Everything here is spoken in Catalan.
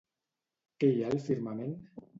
Què hi ha al firmament?